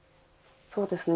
そうですね